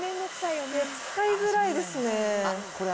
使いづらいですね。